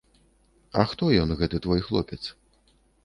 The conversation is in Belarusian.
А хто ён, гэты твой хлопец?